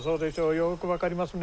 よく分かりますね。